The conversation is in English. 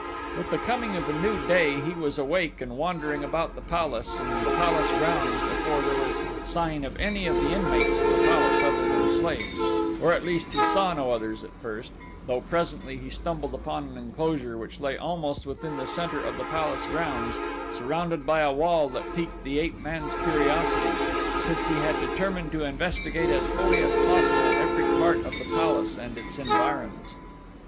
With the coming of a new day he was awake and wandering about the palace and the palace grounds before there was sign of any of the inmates of the palace other than slaves, or at least he saw no others at first, though presently he stumbled upon an enclosure which lay almost within the center of the palace grounds surrounded by a wall that piqued the ape man's curiosity, since he had determined to investigate as fully as possible every part of the palace and its environs.